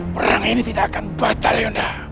perang ini tidak akan batal yaudah